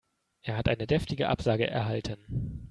Er hat eine deftige Absage erhalten.